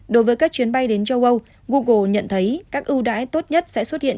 đối với các chuyến bay đến châu âu google nhận thấy các ưu đãi tốt nhất sẽ xuất hiện